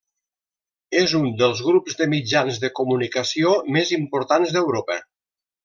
És un dels grups de mitjans de comunicació més importants d'Europa.